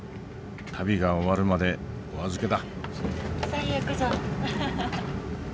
旅が終わるまでお預けだ。